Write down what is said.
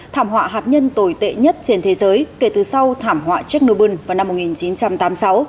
thảm họa hạt nhân tồi tệ nhất trên thế giới kể từ sau thảm họa chernobyl vào năm một nghìn chín trăm tám mươi sáu